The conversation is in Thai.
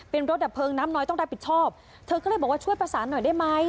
เป็นรถดับเพลิงน้ำน้อยต้องรับผิดชอบเธอก็เลยบอกว่าช่วยประสานหน่อยได้ไหม